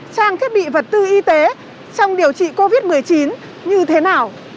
trang thiết bị vật tư y tế trong điều trị covid một mươi chín như thế nào